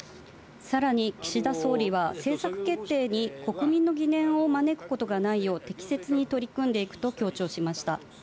さらに岸田総理は、政策決定に国民の疑念を招くことがないよう、適切に取り組んでいくと強調しました。